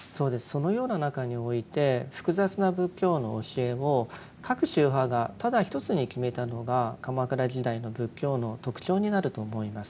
そのような中において複雑な仏教の教えを各宗派がただ一つに決めたのが鎌倉時代の仏教の特徴になると思います。